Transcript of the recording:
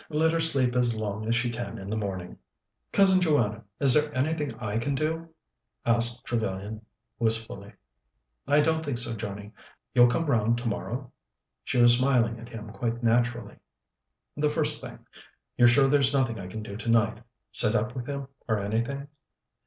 Let her sleep as long as she can in the morning." "Cousin Joanna, is there anything I can do?" asked Trevellyan wistfully. "I don't think so, Johnnie. You'll come round tomorrow?" She was smiling at him quite naturally. "The first thing. You're sure there's nothing I can do tonight sit up with him, or anything?"